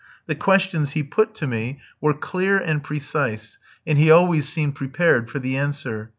The questions he put to me were clear and precise, and he always seemed prepared for the answer.